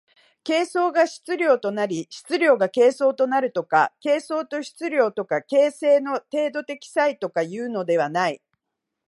形相が質料となり質料が形相となるとか、形相と質料とか形成の程度的差異とかというのではない。